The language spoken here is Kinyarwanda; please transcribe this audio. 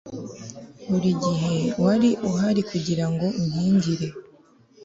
buri gihe wari uhari kugirango unkingire